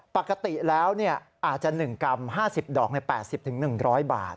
ปกติแล้วอาจจะ๑กรัม๕๐ดอก๘๐๑๐๐บาท